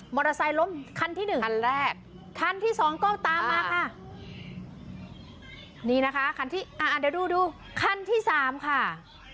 มอเตอร์ไซค์ล้มคันที่๑คันแรกคันที่๒ก็ตามมาค่ะนี่นะคะคันที่๓ค่ะ